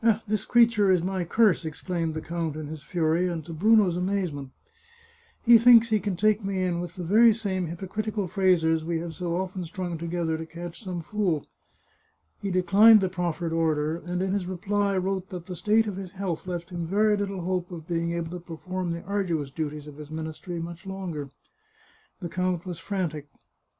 This creature is my curse !" exclaimed the count in his fury, and to Bruno's amazement. " He thinks he can take me in with the very same hypocritical phrases we have so often strung together to catch some fool." He declined the proffered Order, and in his reply, wrote that the state of his health left him very little hope of being able to per form the arduous duties of his ministry much longer. The count was frantic.